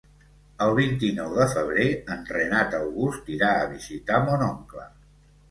El vint-i-nou de febrer en Renat August irà a visitar mon oncle.